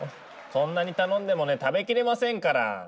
そんなに頼んでもね食べきれませんから！